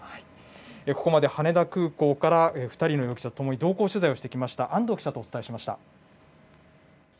ここまで羽田空港から２人の容疑者とともに同行取材してきました、安藤記者とお伝えしました。